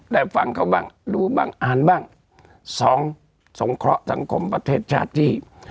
ได้ฟังเขาบ้างรู้บ้างอ่านบ้างสองสงเคราะห์สังคมประเทศชาติที่